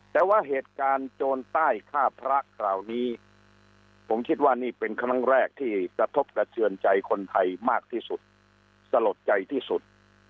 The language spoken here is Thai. แต่ว่าเหตุการณ์โจรใต้ฆ่าพระคราวนี้ผมคิดว่านี่เป็นครั้งแรกที่กระทบกระเทือนใจคนไทยมากที่สุดสลดใจที่สุด